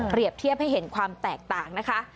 เทียบให้เห็นความแตกต่างนะคะ